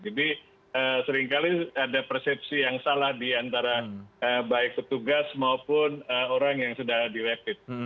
jadi seringkali ada persepsi yang salah diantara baik petugas maupun orang yang sedang di rapid